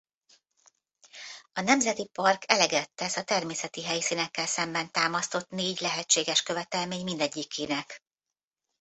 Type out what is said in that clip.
A nemzeti park eleget tesz a természeti helyszínekkel szemben támasztott négy lehetséges követelmény mindegyikének.